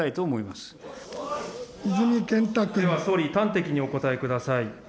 では総理、端的にお答えください。